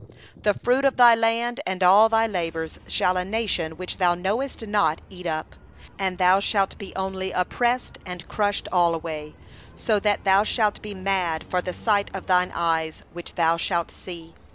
33The fruit of thy land, and all thy labours, shall a nation which thou knowest not eat up; and thou shalt be only oppressed and crushed away: 34so that thou shalt be mad for the sight of thine eyes which thou shalt see.